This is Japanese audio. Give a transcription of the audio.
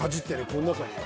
この中に」。